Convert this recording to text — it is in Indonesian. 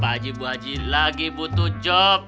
pak haji bu haji lagi butuh job